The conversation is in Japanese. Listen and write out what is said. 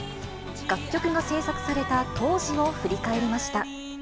楽曲が制作された当時を振り返りました。